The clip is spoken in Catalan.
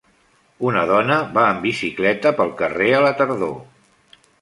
Una dona va en bicicleta pel carrer a la tardor